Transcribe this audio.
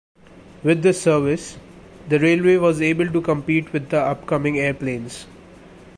With this service, the railway was able to compete with the upcoming airplanes.